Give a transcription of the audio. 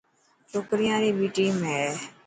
ڇوڪريان ري بي ٽيم هي.